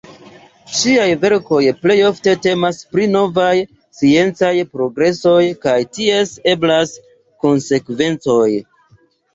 Ŝiaj verkoj plejofte temas pri novaj sciencaj progresoj kaj ties eblaj konsekvencoj.